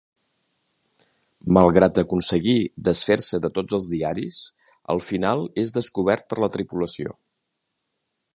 Malgrat aconseguir desfer-se de tots els diaris al final és descobert per la tripulació.